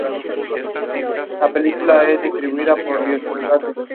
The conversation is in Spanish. Presentan dimorfismo sexual, que se observa a menudo en el patrón alar.